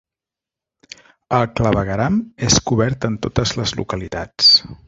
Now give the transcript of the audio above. El clavegueram és cobert en totes les localitats.